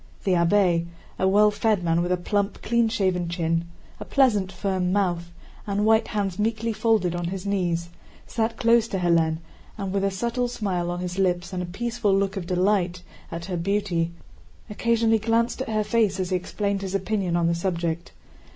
The abbé, a well fed man with a plump, clean shaven chin, a pleasant firm mouth, and white hands meekly folded on his knees, sat close to Hélène and, with a subtle smile on his lips and a peaceful look of delight at her beauty, occasionally glanced at her face as he explained his opinion on the subject.